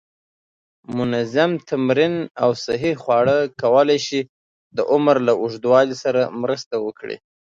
منظم تمرین او صحی خواړه کولی شي د عمر له اوږدوالي سره مرسته وکړي.